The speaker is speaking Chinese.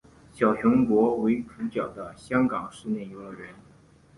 小熊国为主角的香港室内游乐场。